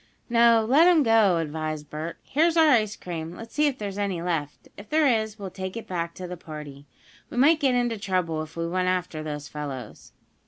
"No, let 'em go," advised Bert. "Here's our ice cream. Let's see if there's any left. If there is we'll take it back to the party. We might get into trouble if we went after those fellows."